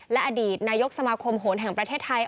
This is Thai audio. และอดีตนายกสมาคมโหนแห่งประเทศไทย